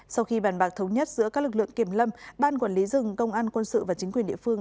sau khi bàn bạc thống nhất giữa các lực lượng kiểm lâm ban quản lý rừng công an quân sự và chính quyền địa phương